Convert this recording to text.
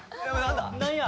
何や？